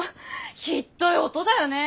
ひっどい音だよね。